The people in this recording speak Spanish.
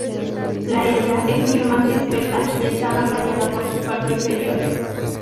La hembra es mucho más discreta y está más rayada por su parte inferior.